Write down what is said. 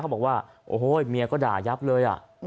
บอกว่าโอ้โหเมียก็ด่ายับเลย